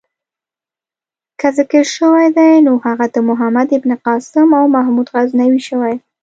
که ذکر شوی دی نو هغه د محمد بن قاسم او محمود غزنوي شوی.